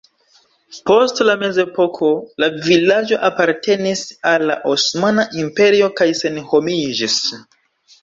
Post la mezepoko la vilaĝo apartenis al la Osmana Imperio kaj senhomiĝis.